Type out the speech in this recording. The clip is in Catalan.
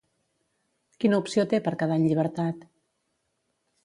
Quina opció té per quedar en llibertat?